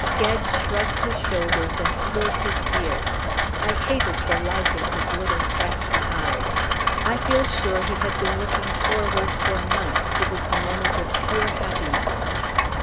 Gedge shrugged his shoulders and pulled his beard. I hated the light in his little crafty eyes. I feel sure he had been looking forward for months to this moment of pure happiness.